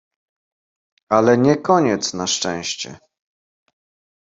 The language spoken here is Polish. "Ale nie koniec na szczęście!"